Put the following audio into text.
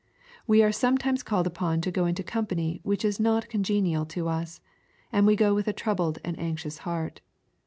We are sometimes called upon to go into company which is not congenial to us, and we go with a troubled and anxious heart.